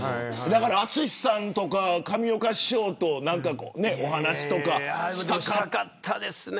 淳さんとか上岡師匠とお話とかしたかったですか。